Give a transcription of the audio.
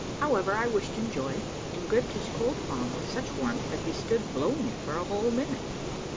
How ever, I wished him joy, and gripped his cold palm with such warmth that he stood blowing it for a whole minute.